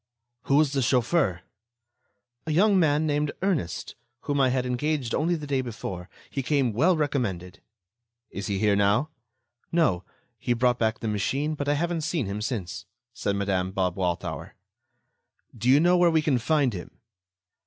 "Who was the chauffeur?" "A young man named Ernest, whom I had engaged only the day before. He came well recommended." "Is he here now?" "No. He brought back the machine, but I haven't seen him since," said Madame Bob Walthour. "Do you know where we can find him?"